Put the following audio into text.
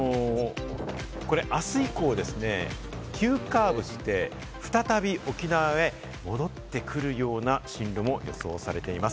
これ、あす以降ですね、急カーブして再び沖縄へ戻ってくるような進路も予想されています。